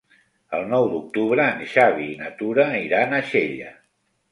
El nou d'octubre en Xavi i na Tura aniran a Xella.